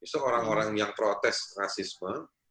justru orang orang yang protes rasisme